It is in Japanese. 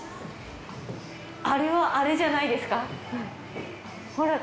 あれはあれじゃないですか？